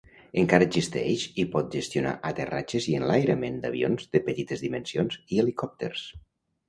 Encara existeix i pot gestionar aterratges i enlairament d'avions de petites dimensions i helicòpters.